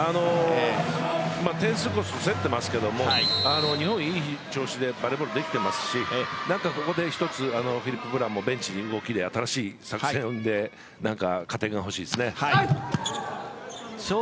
点数こそ競っていますが日本は良い調子でバレーボールができていますしここで一つフィリップ・ブランもベンチで新しい作戦で加点が欲しいですね。